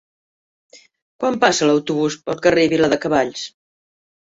Quan passa l'autobús pel carrer Viladecavalls?